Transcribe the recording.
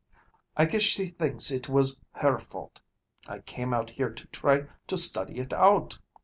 I guess she thinks it was her fault. I came out here to try to study it out.